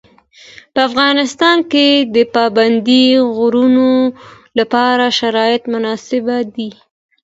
په افغانستان کې د پابندي غرونو لپاره شرایط مناسب دي.